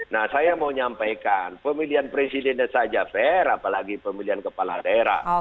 nah saya mau nyampaikan pemilihan presidennya saja fair apalagi pemilihan kepala daerah